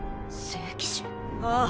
ああ。